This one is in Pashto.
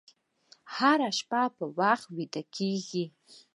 هره شپه په وخت ویده کېږئ.